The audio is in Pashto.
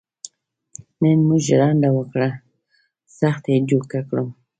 نن مو ژرنده وکړه سخت یې جوکه کړم.